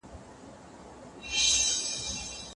ما د هغوی سلیقې نه دي رد کړي.